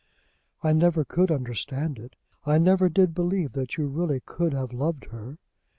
"I never could understand it. I never did believe that you really could have loved her."